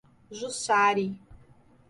Jussari